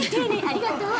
ありがとう。